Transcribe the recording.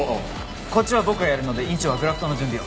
こっちは僕がやるので院長はグラフトの準備を。